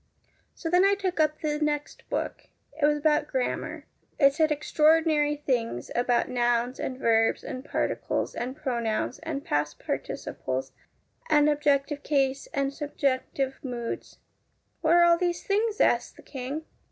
"'So then I took up the next book. It was about grammar. It said extraordinary things about nouns and verbs and particles and pronouns, and past participles and objective cases and subjunctive moods. * What are all these things ?' asked the King.